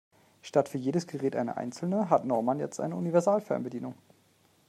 Statt für jedes Gerät eine einzelne hat Norman jetzt eine Universalfernbedienung.